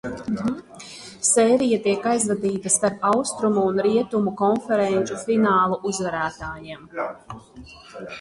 Sērija tiek aizvadīta starp Austrumu un Rietumu konferenču finālu uzvarētājiem.